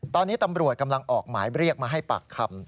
ตอนนี้ตำรวจกำลังออกหมายเรียกมาให้ปากคำ